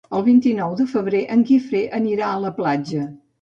El vint-i-nou de febrer en Guifré anirà a la platja.